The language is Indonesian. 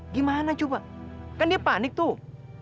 gimana coba kan dia panik tuh